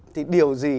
thì điều gì